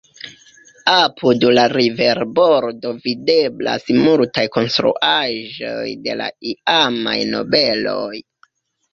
Apud la riverbordo videblas multaj konstruaĵoj de la iamaj nobeloj.